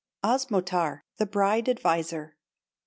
OSMOTAR THE BRIDE ADVISER.